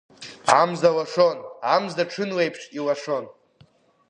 Амза лашон, амза ҽынлеиԥш илашон.